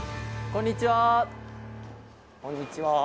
こんにちは。